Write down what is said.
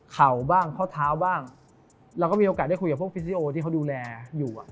เข่าบ้างเคราะห์เท้าบ้างแล้วก็มีโอกาสได้คุยกับพวกพิสิโอที่คุยดูแลอยู่